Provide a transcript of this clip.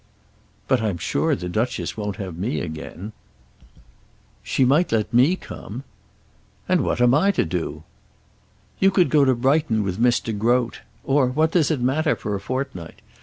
"But I'm sure the Duchess won't have me again." "She might let me come." "And what am I to do?" "You could go to Brighton with Miss De Groat; or what does it matter for a fortnight?